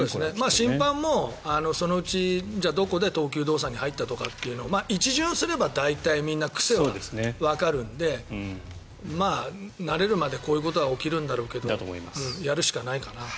審判もそのうちどこで投球動作に入ったとかっていうのも一巡すれば大体、みんな癖はわかるので慣れるまで、こういうことは起きるんだろうけどやるしかないかな。